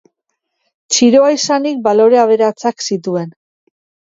Txiroa izanik, balore aberatsak zituen.